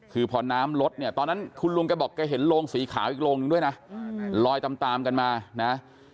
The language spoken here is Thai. คือพอน้ำลดเนี่ยตอนนั้นคุณลุงแกบอกแกเห็นโรงสีขาวอีกโรงนึงด้วยนะลอยตามกันมานะ